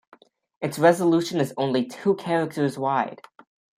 Its resolution is only two characters wide.